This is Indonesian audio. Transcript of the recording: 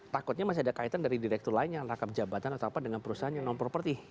takutnya masih ada kaitan dari direktur lain yang rangkap jabatan atau apa dengan perusahaan yang non properti